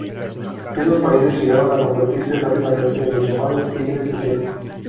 Esos países llegaron a convertirse rápidamente en los llamados Tigres asiáticos.